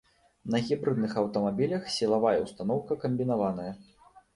На гібрыдных аўтамабілях сілавая ўстаноўка камбінаваная.